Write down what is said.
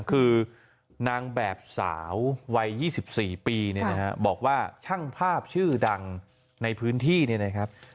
คือนางแบบสาววัย๒๔ปีเนี่ยนะฮะบอกว่าช่างภาพชื่อดังในพื้นที่เนี่ยนะครับ